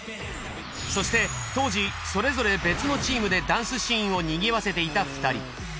そして当時それぞれ別のチームでダンスシーンをにぎわせていた２人。